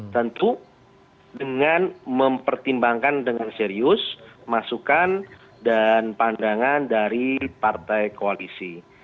tentu dengan mempertimbangkan dengan serius masukan dan pandangan dari partai koalisi